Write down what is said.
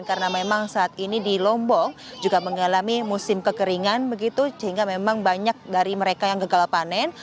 karena memang saat ini di lombok juga mengalami musim kekeringan begitu sehingga memang banyak dari mereka yang gagal panen